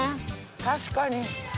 確かに。